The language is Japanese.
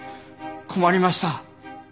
困りました。